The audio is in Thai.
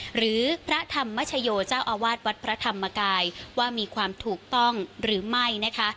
หรือพระธรรมชโยเจ้าอาวาสวัดพระธรรมกายว่ามีความถูกต้องหรือไม่นะคะ